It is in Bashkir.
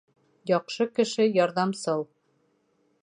Яҡшы кеше ярҙамсыл.